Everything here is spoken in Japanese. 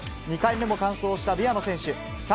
２回目も完走したビアノ選手。